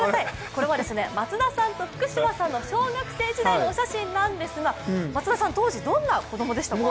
これは松田さんと福島さんの小学生時代のお写真なんですが松田さん、当時どんな子供でしたか？